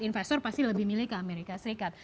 investor pasti lebih milih ke amerika serikat